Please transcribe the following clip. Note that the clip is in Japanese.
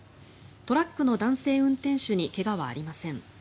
トラックの男性運転手に怪我はありません。